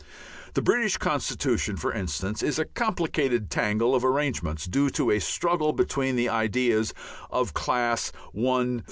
The British constitution, for instance, is a complicated tangle of arrangements, due to a struggle between the ideas of Class I.